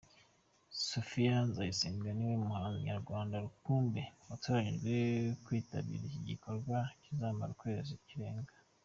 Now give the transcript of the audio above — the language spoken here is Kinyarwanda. Sophia Nzayisenga niwe muhanzi nyarwanda rukumbi watoranyijwe kwitabira iki gikorwa kizamara Ukwezi kurenga.